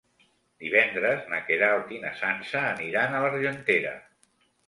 Divendres na Queralt i na Sança aniran a l'Argentera.